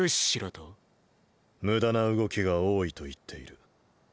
無駄な動きが多いと言っている。